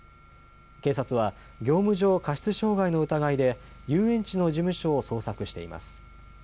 警察は業務上過失傷害の疑いで遊園地の事務所を捜索しています。